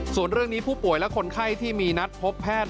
ส่วนเรื่องนี้ผู้ป่วยและคนไข้ที่มีนัดพบแพทย์